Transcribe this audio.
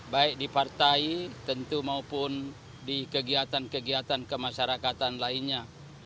baik di partai tentu maupun di kegiatan kegiatan kemasyarakatan lainnya